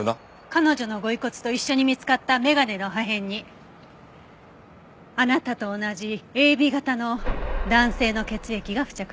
彼女のご遺骨と一緒に見つかった眼鏡の破片にあなたと同じＡＢ型の男性の血液が付着していました。